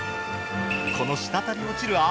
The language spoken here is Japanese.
この滴り落ちる脂。